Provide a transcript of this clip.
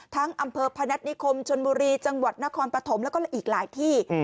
อำเภอพนัฐนิคมชนบุรีจังหวัดนครปฐมแล้วก็อีกหลายที่